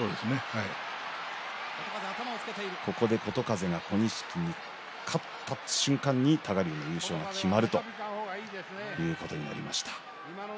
ここで琴風が小錦に勝った瞬間に多賀竜の優勝が決まるということになりました。